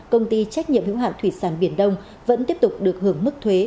công ty trách nhiệm công ty trách nhiệm công ty trách nhiệm công ty trách nhiệm công ty trách nhiệm